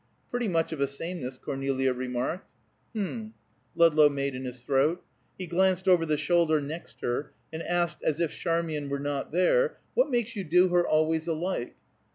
"Pretty much of a sameness," Cornelia remarked. "Mm," Ludlow made in his throat. He glanced over the shoulder next her, and asked, as if Charmian were not there, "What makes you do her always alike?"